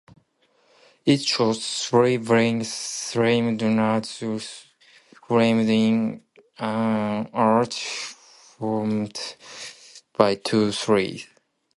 It shows three bathing female nudes framed in an arch formed by two trees.